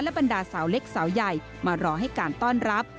บรรดาสาวเล็กสาวใหญ่มารอให้การต้อนรับ